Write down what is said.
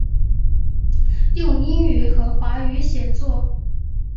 用英语和法语写作。